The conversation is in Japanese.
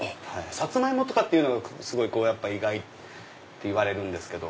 サツマイモとかっていうのが意外って言われるんですけど。